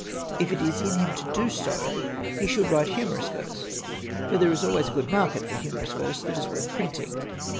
If it is in him to do so, he should write humorous verse, for there is always a good market for humorous verse that is worth printing.